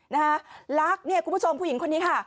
นะคะรักเนี่ยคุณผู้ชมผู้หญิงคนนี้ค่ะ